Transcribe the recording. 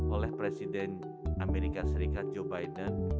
oleh presiden amerika serikat joe biden